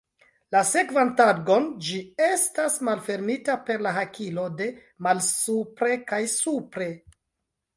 La sekvan tagon ĝi estas malfermita per la hakilo de malsupre kaj supre.